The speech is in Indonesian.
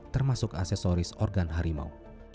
termasuk aksesoris organ harimau